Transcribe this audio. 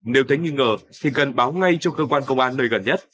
nếu thấy nghi ngờ thì cần báo ngay cho cơ quan công an nơi gần nhất